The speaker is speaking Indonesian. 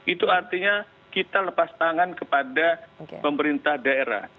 itu artinya kita lepas tangan kepada pemerintah daerah